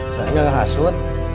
saya nggak menghasut